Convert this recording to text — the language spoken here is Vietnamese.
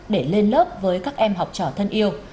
để lên lớp với các em học trò thân yêu